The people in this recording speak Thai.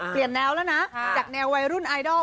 แนวแล้วนะจากแนววัยรุ่นไอดอล